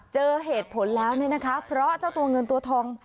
เจอเหตุผลแล้วเนี่ยนะคะเพราะเจ้าตัวเงินตัวทอง